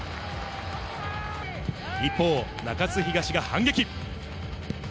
一方、中津東が反撃。